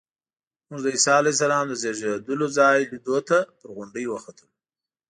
موږ د عیسی علیه السلام د زېږېدلو ځای لیدو ته پر غونډۍ وختلو.